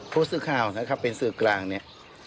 ผู้สื่อข่าวนะครับเป็นสื่อกลางเนี่ย